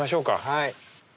はい。